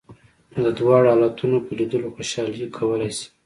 د دواړو حالتونو په لیدلو خوشالي کولای شې.